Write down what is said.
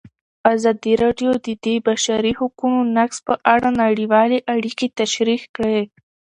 ازادي راډیو د د بشري حقونو نقض په اړه نړیوالې اړیکې تشریح کړي.